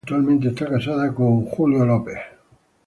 Actualmente esta casada con Anders Jensen.